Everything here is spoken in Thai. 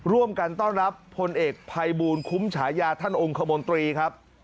ร่วมกันต้อนรับพลเอกภัยบูลคุ้มฉายาท่านองค์คมนตรีครับ